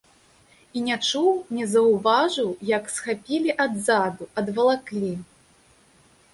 І не чуў, не заўважыў, як схапілі адзаду, адвалаклі.